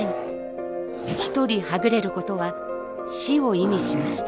一人はぐれることは死を意味しました。